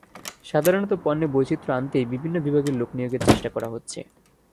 সাধারণত পণ্যে বৈচিত্র্য আনতেই বিভিন্ন বিভাগের লোক নিয়োগের চেষ্টা করা হচ্ছে।